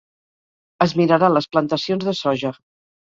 Es mirarà les plantacions de soja.